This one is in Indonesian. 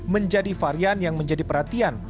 menjadi varian yang menjadi perhatian